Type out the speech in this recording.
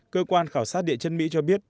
cơ quan khảo sát địa chân mỹ cho biết